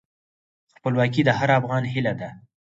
خپلواکي د هر افغان هیله ده.